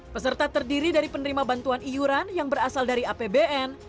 peserta terdiri dari penerima bantuan iuran yang berasal dari apbn